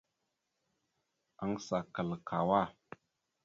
Aŋgəsa kal kawá.